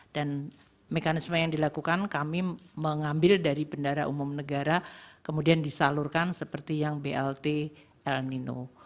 dan mekanisme yang dilakukan kami mengambil dari bendara umum negara kemudian disalurkan seperti yang blt el nino